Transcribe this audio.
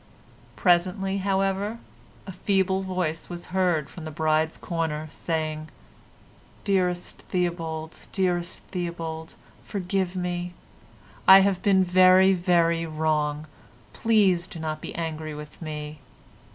Presently, however, a feeble voice was heard from the bride's corner saying: "Dearest Theobald—dearest Theobald, forgive me; I have been very, very wrong. Please do not be angry with me.